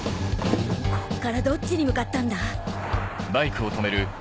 こっからどっちに向かったんだ？